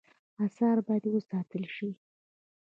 آثار باید وساتل شي